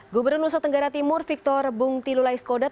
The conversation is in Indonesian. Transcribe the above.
gubernur nusantara timur victor bung tilulai skodat